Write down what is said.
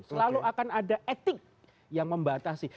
selalu akan ada etik yang membatasi